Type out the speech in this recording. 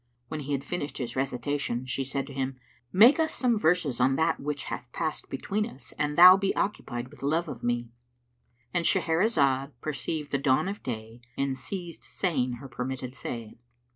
When he had finished his recitation she said to him, "Make us some verses on that which hath passed between us an thou be occupied with love of me."—And Shahrazad perceived the dawn of day and ceased saying her permitted say.